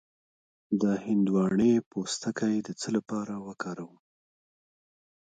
د هندواڼې پوستکی د څه لپاره وکاروم؟